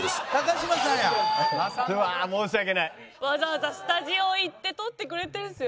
わざわざスタジオ行って録ってくれてるんですよ。